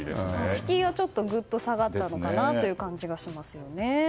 敷居はぐっと下がったのかなという気がしますよね。